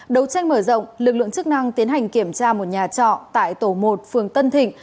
đấu tranh mở rộng lực lượng chức năng tiến hành kiểm tra một nhà trọ tại tổ một phường tân thịnh